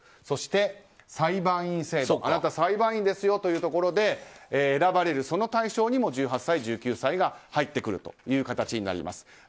そして、裁判員制度あなた裁判員ですよというところで選ばれる対象にも１８歳、１９歳が入ってくるという形になります。